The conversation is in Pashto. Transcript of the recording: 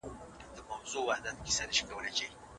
علم د پرله پسې تجربو پایله ده.